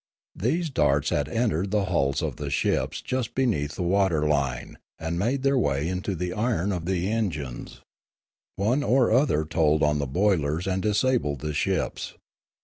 These darts had entered the hulls of the ships just be neath the water line and made their way into the iron of the engines; one or other told on the boilers and disabled the ships.